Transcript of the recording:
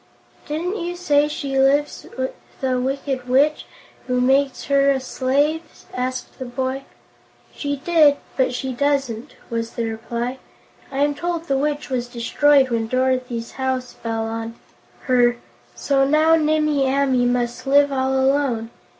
"Didn't you say she lives with a Wicked Witch, who makes her a slave?" asked the boy. "She did, but she doesn't," was the reply. "I am told the Witch was destroyed when Dorothy's house fell on her, so now Nimmie Amee must live all alone.